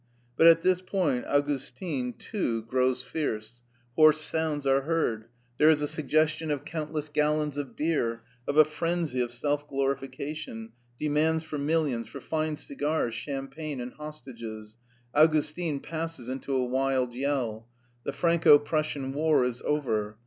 But at this point Augustin too grows fierce; hoarse sounds are heard; there is a suggestion of countless gallons of beer, of a frenzy of self glorification, demands for millions, for fine cigars, champagne, and hostages. Augustin passes into a wild yell.... "The Franco Prussian War" is over.